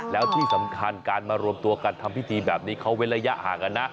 แล้วที่สำคัญการมารวมตัวกันทำพิธีแบบนี้เขาเว้นระยะห่างกันนะ